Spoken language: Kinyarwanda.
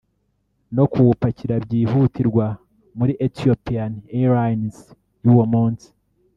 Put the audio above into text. no kuwupakira byihutirwa muri «Ethiopian Airlines» y’uwo munsi